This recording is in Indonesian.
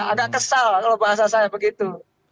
agak kesal kalau bahasa saya begitu